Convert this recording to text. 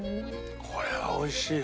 これはおいしい。